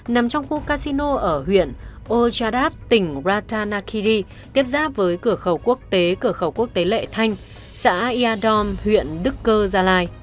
nằm trong khu casino ở huyện ochadap tỉnh ratanakiri tiếp giáp với cửa khẩu quốc tế lệ thanh xã yadom huyện đức cơ gia lai